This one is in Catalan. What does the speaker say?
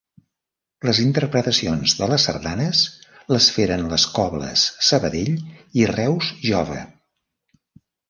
Les interpretacions de les sardanes les feren les cobles Sabadell i Reus Jove.